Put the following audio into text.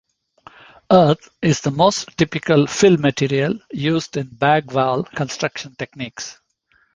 Earth is the most typical fill material used in bag-wall construction techniques.